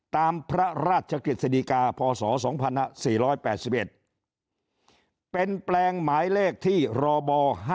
ตามพระราชกฤษฎิกาพศ๒๔๘๑เป็นแปลงหมายเลขที่รบ๕๗